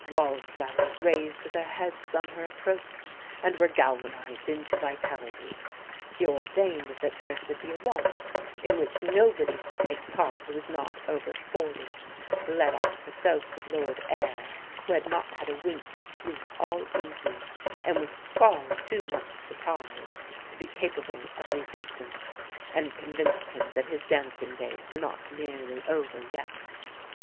Wall flowers raised their heads on her approach, and were galvanized into vitality. She ordained that there should be a waltz in which nobody should take part who was not over forty, led off herself with Lord Ayr, who had not had a wink of sleep all evening, and was far too much surprised to be capable of resistance, and convinced him that his dancing days were not nearly over yet.